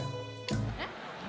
えっ？